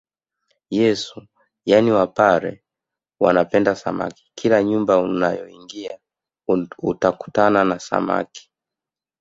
Yesu yaani wapare wanapenda samaki kila nyumba unayoingia utakutana na samaki